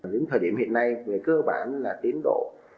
đến thời điểm hiện nay về cơ bản là tiến độ